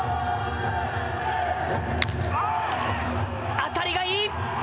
当たりがいい。